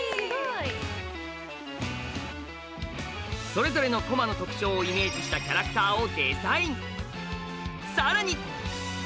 それぞれの駒の特徴をイメージしたキャラクターをデザイン！